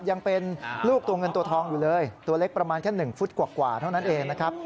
ยังเป็นลูกตัวเงินตัวทองอยู่เลยตัวเล็กประมาณแค่๑ฟุตกว่าเท่านั้นเองนะครับ